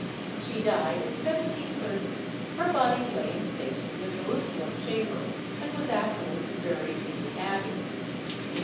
She died in 1730; her body lay in state in the Jerusalem Chamber, and was afterwards buried in the Abbey.